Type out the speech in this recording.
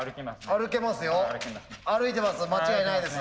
歩いてます